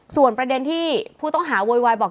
ส่วนประเด็นที่ผู้ต้องหาโวยวายบอก